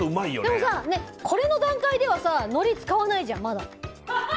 でもさ、これの段階ではのり使わないじゃん。